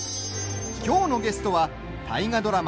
きょうのゲストは大河ドラマ